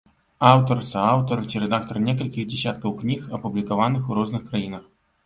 Аўтар, суаўтар ці рэдактар некалькіх дзясяткаў кніг, апублікаваных у розных краінах.